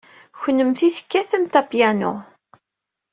Kennemti tekkatemt apyanu.